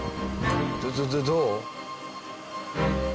どどどどう？